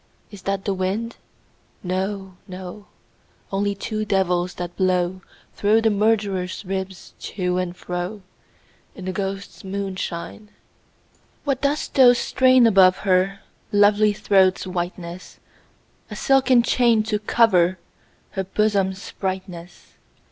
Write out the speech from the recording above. Is that the wind ? No, no ; Only two devils, that blow Through the murderer's ribs to and fro. In the ghosts' moi^ishine. THE GHOSTS* MOONSHINE, 39 III. What dost thou strain above her Lovely throat's whiteness ? A silken chain, to cover Her bosom's brightness